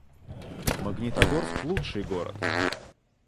Магнитогорск — лучший город